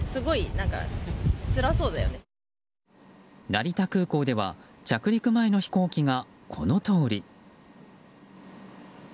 成田空港では着陸前の飛行機がこのとおり。